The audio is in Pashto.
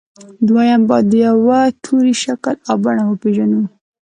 دويم بايد د يوه توري شکل او بڼه وپېژنو.